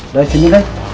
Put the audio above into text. dari sini deh